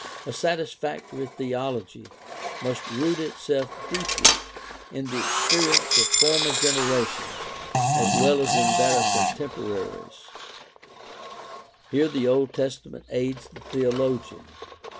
A satisfactory theology must root itself deeply in OLD TESTAMENT AND RELIGION OF ISRAEL 151 the experience of former generations as well as in that of contemporaries. Here the Old Testament aids the theologian.